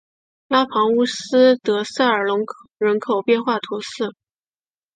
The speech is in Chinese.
拉庞乌斯德塞尔农人口变化图示